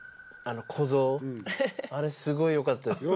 あれすごいよかったです